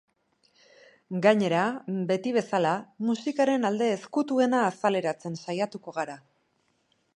Gainera, beti bezala, musikaren alde ezkutuena azaleratzen saiatuko gara.